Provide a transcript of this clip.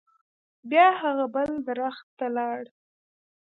بیا هغه بل درخت ته لاړ.